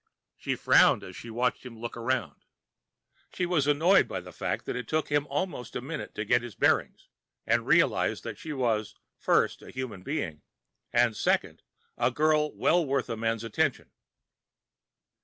She frowned as she watched him look around. She was annoyed by the fact that it took him almost a minute to get his bearings and realize that she was first, a human being and second, a girl well worth a man's attention.